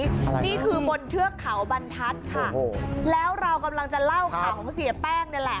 อะไรกันนะผู้ชมนี่คือบนเทือกเขาบรรทัศน์ค่ะแล้วเรากำลังจะเล่าข่าวของเสียแป้งนี่แหละ